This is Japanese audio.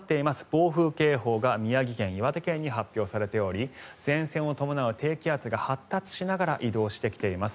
暴風警報が宮城県、岩手県に発表されており前線を伴う低気圧が発達しながら移動してきています。